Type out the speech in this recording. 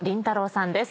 さんです。